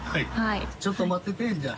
ちょっと待っててじゃあ。